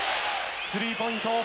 スリーポイント。